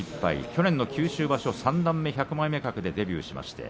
去年の九州場所三段目１００枚目格でデビューしました。